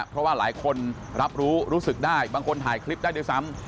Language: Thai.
เพราะว่าหลายคนรับรู้รู้สึกได้บางคนถ่ายคลิปได้ด้วยซ้ำ